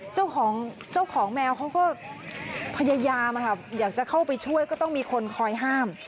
เจ้าของเจ้าของแมวเขาก็พยายามอยากจะเข้าไปช่วยก็ต้องมีคนคอยห้าม